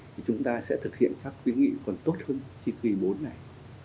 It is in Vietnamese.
thì chúng ta sẽ thực hiện các quyết nghị còn tốt hơn chi phí bốn này